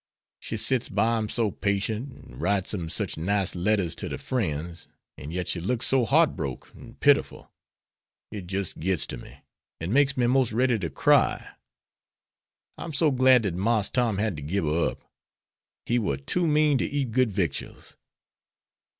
She sits by 'em so patient, an' writes 'em sech nice letters to der frens, an' yit she looks so heart broke an' pitiful, it jis' gits to me, an' makes me mos' ready to cry. I'm so glad dat Marse Tom had to gib her up. He war too mean to eat good victuals."